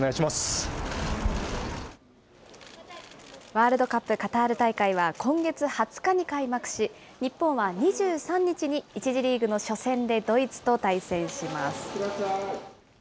ワールドカップカタール大会は今月２０日に開幕し、日本は２３日に１次リーグの初戦でドイツと対戦します。